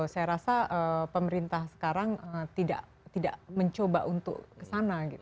saya rasa pemerintah sekarang tidak mencoba untuk kesana